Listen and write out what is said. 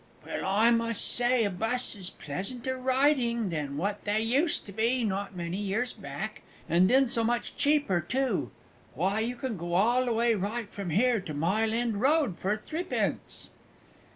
Well, I must say a bus is pleasanter riding than what they used to be not many years back, and then so much cheaper, too. Why you can go all the way right from here to Mile End Road for threepence!